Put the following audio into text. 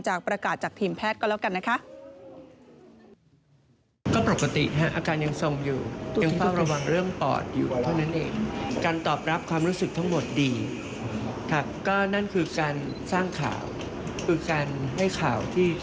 ประกาศจากทีมแพทย์ก็แล้วกันนะคะ